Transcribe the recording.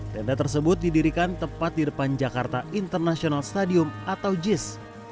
tenda tersebut didirikan tepat di depan jakarta international stadium atau jis